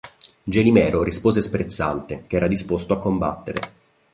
Gelimero rispose sprezzante che era disposto a combattere.